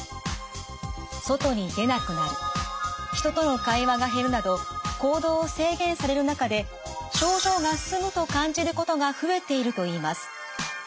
外に出なくなる人との会話が減るなど行動を制限される中で症状が進むと感じることが増えているといいます。